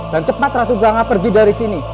dan cepat ratu branga pergi dari sini